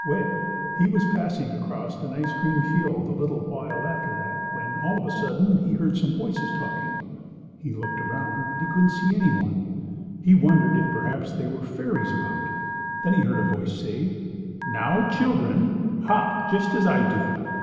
Well, he was passing across a nice green field a little while after that when, all of a sudden, he heard some voices talking. He looked all around, but he couldn't see any one, and he wondered if perhaps there were fairies about. Then he heard a voice say: "Now, children, hop just as I do.